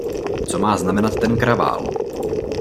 Co má znamenat ten kravál?